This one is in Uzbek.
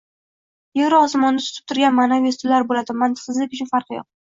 yeru osmonni tutib turgan ma’naviy ustunlar bo‘ladimi – mantiqsizlik uchun farqi yo‘q